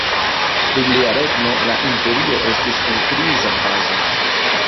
Dum lia regno la imperio estis en kriza fazo.